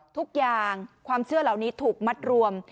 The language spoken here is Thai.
ทุกอย่างความเชื่อเหล่านี้ถูกมัดรวม